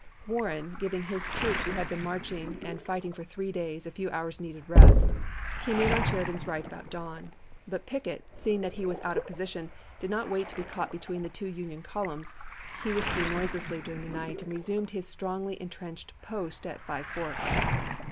Warren, giving his troops, who had been marching and fighting for three days, a few hours' needed rest, came in on Sheridan's 170 ABRAHAM LINCOLN ffSSS? FIVE F0KKS 171 right about dawn. But Pickett, seeing that he was chap.viii. out of position, did not wait to be caught between the two Union columns ; he withdrew noiselessly during the night1 and resumed his strongly in Mar.3i,i865. trenched post at Five Forks.